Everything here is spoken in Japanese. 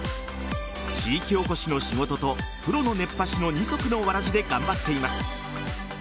地域おこしの仕事とプロの熱波師の二足のわらじで頑張っています。